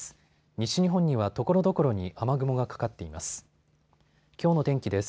西日本にはところどころに雨雲がかかっています。